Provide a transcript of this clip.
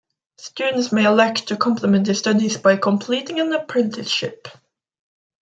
Students may elect to complement their studies by completing an apprenticeship.